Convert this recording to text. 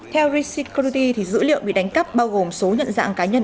theo resecurity dữ liệu bị đánh cắp bao gồm số nhận dạng cá nhân